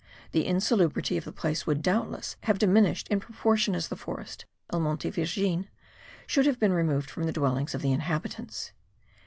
The insalubrity of the place would, doubtless, have diminished in proportion as the forest (el monte virgen) should have been removed from the dwellings of the inhabitants.